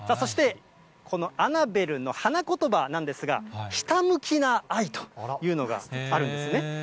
このアナベルの花言葉なんですが、ひたむきな愛というのがあるんですね。